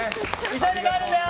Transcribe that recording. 急いで帰るんだよ！